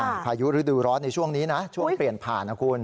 พายุฤดูร้อนในช่วงนี้นะช่วงเปลี่ยนผ่านนะคุณ